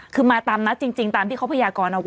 คือมาตามนัดจริงตามที่เขาพยากรเอาไว้